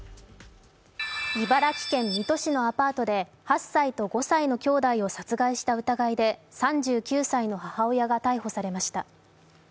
茨城県水戸市のアパートで８歳と５歳のきょうだいを殺害した疑いで３９歳の母親が逮捕されました。